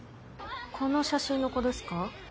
この写真の子ですか？